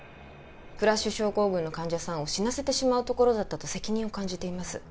クラッシュ症候群の患者さんを死なせてしまうところだったと責任を感じています